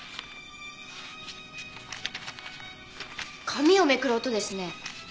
紙をめくる音ですね。